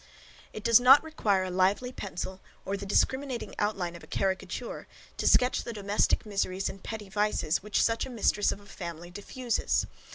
It does not require a lively pencil, or the discriminating outline of a caricature, to sketch the domestic miseries and petty vices which such a mistress of a family diffuses.